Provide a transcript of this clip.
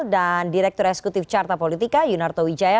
dan direktur eksekutif carta politika yunarto wijaya